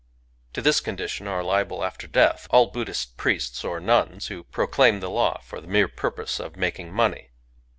To this condition are liable after death^ all BuddJust priests or nuns who proclaim the law for the, mere purpose of making money